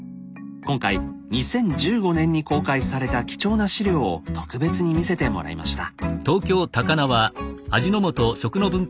今回２０１５年に公開された貴重な史料を特別に見せてもらいました。